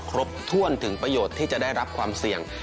ครบถ้วนถึงประโยชน์ที่จะได้รับความเสี่ยง